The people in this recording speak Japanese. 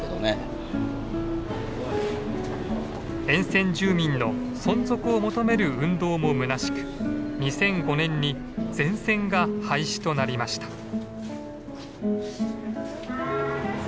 沿線住民の存続を求める運動もむなしく２００５年に全線が廃止となりました。